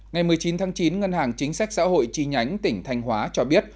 ngày một mươi chín tháng chín ngân hàng chính sách xã hội tri nhánh tỉnh thanh hóa cho biết